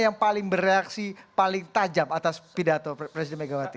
yang paling bereaksi paling tajam atas pidato presiden megawati